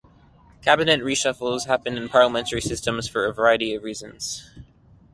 Cabinet reshuffles happen in parliamentary systems for a variety of reasons.